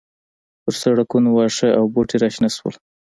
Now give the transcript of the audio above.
پر سړکونو واښه او بوټي راشنه شول.